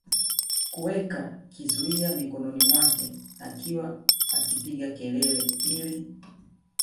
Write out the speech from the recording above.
kuweka kizuia mikononi mwake akiwa akipiga kelele ili